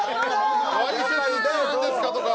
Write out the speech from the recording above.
『ワイセツって何ですか？』とか。